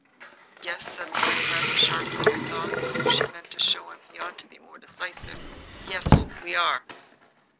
"Yes," said Lorraine, rather sharply, I thought, as if she meant to show him he ought to be more decisive, "we are."